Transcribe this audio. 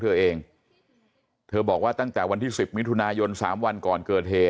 เธอเองเธอบอกว่าตั้งแต่วันที่๑๐มิถุนายน๓วันก่อนเกิดเหตุ